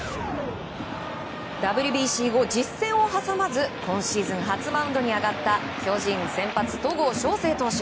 ＷＢＣ後、実戦を挟まず今シーズン初マウンドに上がった巨人の先発、戸郷翔征選手。